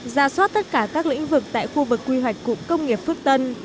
ra soát tất cả các lĩnh vực tại khu vực quy hoạch cụm công nghiệp phước tân